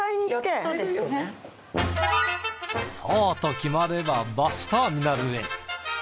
そうと決まればバスターミナルへ。